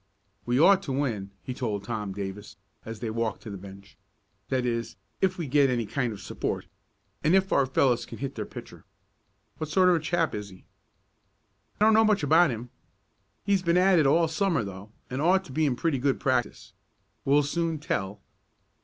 "We ought to win," he told Tom Davis, as they walked to the bench. "That is if we get any kind of support, and if our fellows can hit their pitcher. What sort of a chap is he?" "Don't know much about him. He's been at it all Summer though, and ought to be in pretty good practice. We'll soon tell.